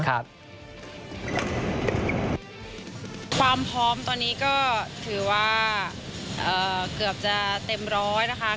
ความพร้อมตอนนี้ก็ถือว่าเกือบจะเต็มร้อยนะคะ